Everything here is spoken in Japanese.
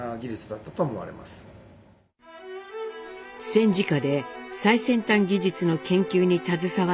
戦時下で最先端技術の研究に携わった英邦。